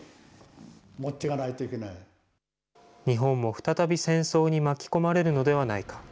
再び戦争に巻き込まれるのではないか。